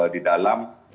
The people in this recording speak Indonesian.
di dalam negara